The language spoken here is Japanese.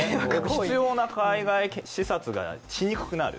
必要な海外視察がしにくくなる。